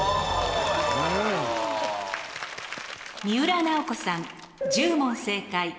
三浦奈保子さん１０問正解。